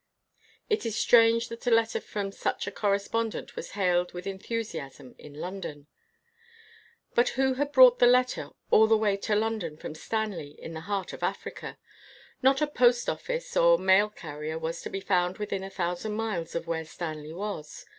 Is it strange that a letter from such a corre spondent was hailed with enthusiasm in London % But who had brought the letter all the way to London from Stanley in the heart of Africa? Not a post office or mail car rier was to be found within a thousand miles of where Stanley was.